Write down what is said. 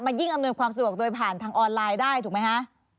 ยิ่งอำนวยความสะดวกโดยผ่านทางออนไลน์ได้ถูกไหมคะ